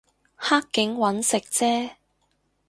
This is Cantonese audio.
黑警搵食啫